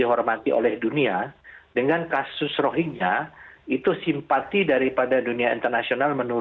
maka orang orang di amerika yang bisa dihormati oleh dunia dengan kasus rohingnya itu simpati daripada dunia internasional menurun drastis